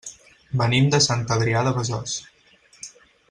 Venim de Sant Adrià de Besòs.